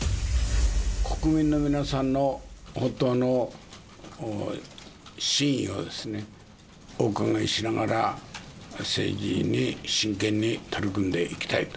国民の皆さんの本当の真意をお伺いしながら、政治に真剣に取り組んでいきたいと。